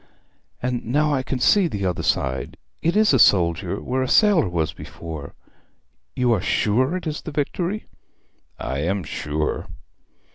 'And now I can see the other side; it is a soldier where a sailor was before. You are sure it is the Victory?' 'I am sure.'